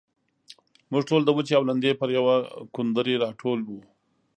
موږ ټول د وچې او لندې پر يوه کوندرې راټول وو.